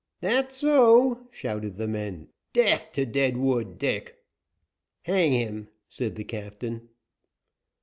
"That's so," shouted the men. "Death to Deadwood Dick!" "Hang him," said the captain.